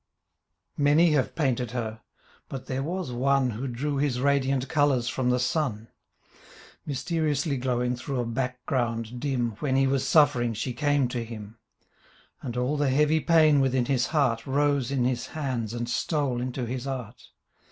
53 The Book of a Monies Life Many have painted her. But there was one Who drew his radiant colours from the sun. Mysteriously glowing through a background dim When he was suffering she came to him. And all the heavy pain within his heart Rose in his hands and stole into his art.